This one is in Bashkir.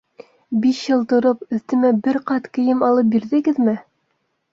Биш йыл тороп, өҫтөмә бер ҡат кейем алып бирҙегеҙме?